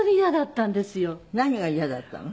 何が嫌だったの？